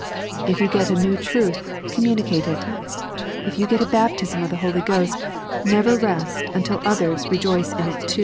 If you get a new truth, communicate it. If you get a baptism of the Holy Ghost, never rest until others rejoice in it 3.